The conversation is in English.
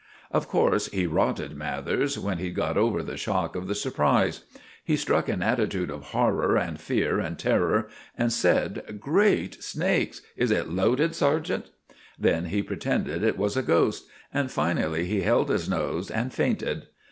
Of course he rotted Mathers when he'd got over the shock of the surprise. He struck an attitude of horror and fear and terror, and said, "Great snakes! Is it loaded, sergeant?" Then he pretended it was a ghost, and finally he held his nose and fainted.